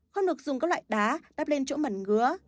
không được dùng các loại đá tắp lên chỗ mẩn ngứa